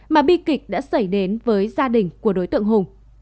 mà bi kịch đã xảy đến với gia đình của đối tượng hùng